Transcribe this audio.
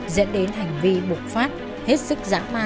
dẫn đến hành vi bộ phát hết sức giã